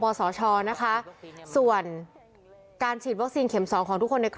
เพราะถ้าไม่ฉีดก็ไม่ได้